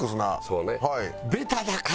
そうね。